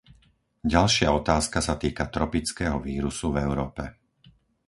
Ďalšia otázka sa týka tropického vírusu v Európe.